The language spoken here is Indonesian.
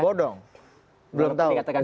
bodong belum dikatakan surat tidak resmi